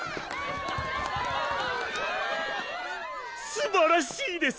すばらしいです！